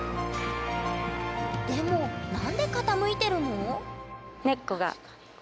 でも何で傾いてるの？